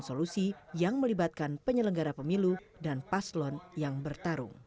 solusi yang melibatkan penyelenggara pemilu dan paslon yang bertarung